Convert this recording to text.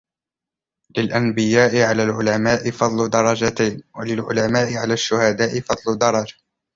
لِلْأَنْبِيَاءِ عَلَى الْعُلَمَاءِ فَضْلُ دَرَجَتَيْنِ وَلِلْعُلَمَاءِ عَلَى الشُّهَدَاءِ فَضْلُ دَرَجَةٍ